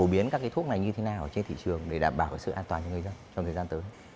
biến các cái thuốc này như thế nào trên thị trường để đảm bảo sự an toàn cho người dân trong thời gian tới